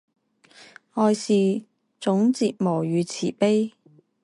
愛是種折磨與慈悲